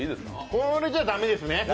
これじゃ駄目ですね。